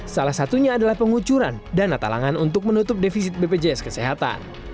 salah satunya adalah pengucuran dana talangan untuk menutup defisit bpjs kesehatan